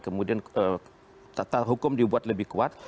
kemudian tata hukum dibuat lebih kuat